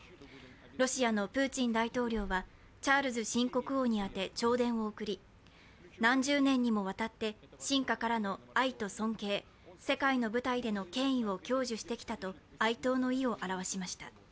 ロシアのプーチン大統領は、チャールズ新国王に宛て弔電を送り何十年にもわたって臣下からの愛と尊敬、世界の舞台での権威を享受してきたと哀悼の意を表しました。